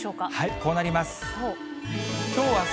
こうなります。